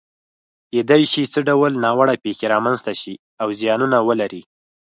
کېدای شي څه ډول ناوړه پېښې رامنځته شي او زیانونه ولري؟